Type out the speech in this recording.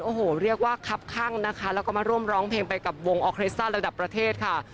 โอ้โหเรียกว่าคับข้างนะคะแล้วก็มาร่วมร้องเพลงไปกับวงออเครสซ่าระดับประเทศค่ะ